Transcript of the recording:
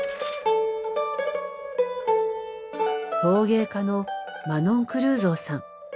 陶芸家のマノン・クルーゾーさん。